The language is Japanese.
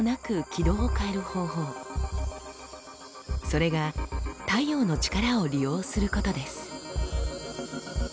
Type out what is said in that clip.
それが太陽の力を利用することです。